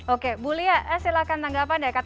oke bully ya silakan tanggapan